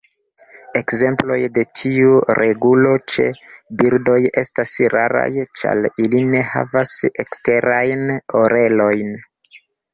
Ekzemploj de tiu regulo ĉe birdoj estas raraj, ĉar ili ne havas eksterajn orelojn.